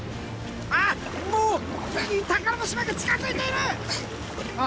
あっもうついに宝の島が近づいている！